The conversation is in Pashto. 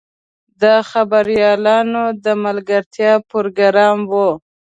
د خبریالانو د ملګرتیا پروګرام و.